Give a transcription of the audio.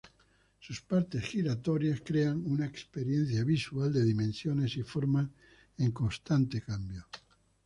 Sus partes giratorias crean una experiencia visual de dimensiones y formas en constante cambio.